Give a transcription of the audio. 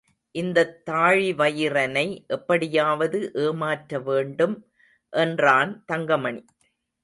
இந்தத் தாழிவயிறனை எப்படியாவது ஏமாற்ற வேண்டும் என்றான் தங்கமணி.